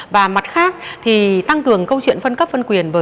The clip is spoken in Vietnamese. và mặt khác thì tăng cường câu chuyện phân cấp phân quyền